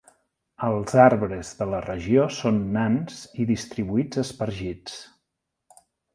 Els arbres de la regió són nans i distribuïts espargits.